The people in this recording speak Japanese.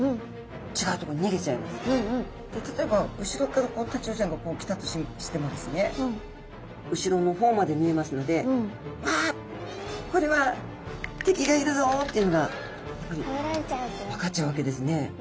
例えば後ろからタチウオちゃんがこう来たとしてもですね後ろの方まで見えますので「わこれは敵がいるぞ！」っていうのがやっぱり分かっちゃうわけですね。